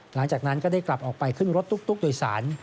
หลังจากนั้นก็ได้กลับออกไปขึ้นรถตุ๊กโดยสาร